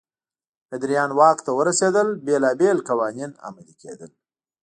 ادریان واک ته ورسېدل بېلابېل قوانین عملي کېدل.